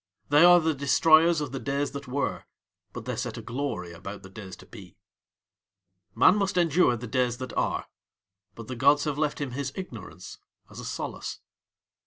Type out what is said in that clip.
They are the destroyers of the Days that Were, but they set a glory about the Days to Be. Man must endure the Days that Are, but the gods have left him his ignorance as a solace.